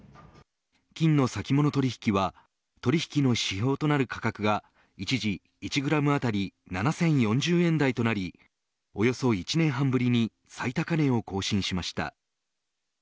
金の先物取引は取引の指標となる価格が一時１グラム当たり７０４０円台となりおよそ１年半ぶりに最高値を更新しました。